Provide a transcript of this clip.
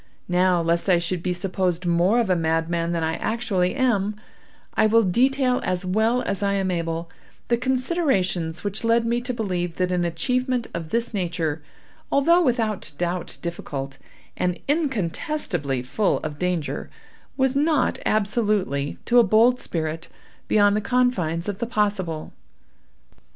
Now, lest I should be supposed more of a madman than I actually am, I will detail, as well as I am able, the considerations which led me to believe that an achievement of this nature, although without doubt difficult, and incontestably full of danger, was not absolutely, to a bold spirit, beyond the confines of the possible.